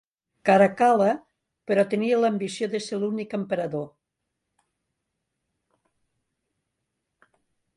Caracal·la, però, tenia l'ambició de ser l'únic emperador.